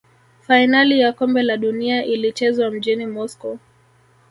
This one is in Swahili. fainali ya kombe la dunia ilichezwa mjini moscow